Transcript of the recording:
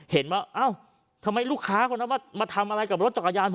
เห็นว่าเอ้าทำไมลูกค้าคนนั้นมาทำอะไรกับรถจักรยานผม